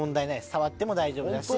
触っても大丈夫ですし。